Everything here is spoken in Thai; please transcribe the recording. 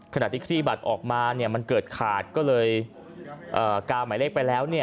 ขณะที่คลี่บัตรออกมามันเกิดขาดก็เลยกาวหมายเลขไปแล้ว